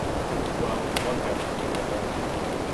Well, one has to be civil.